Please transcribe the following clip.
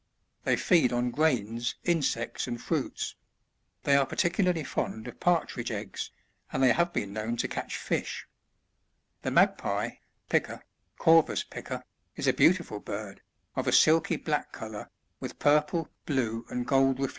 They feed on grains, insects and fruits ; they are particularly fond of partridge eggs, and they have been known to catch fish. 76. The Magpie, — Pica, — Corvvs pica, — is a beautiful bird, of a silky black colour, with purple, blue and gold reflections : it 73.